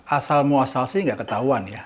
asal muasal sih nggak ketahuan ya